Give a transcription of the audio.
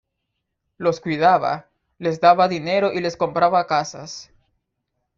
Los cuidaba, les daba dinero y les compraba casas.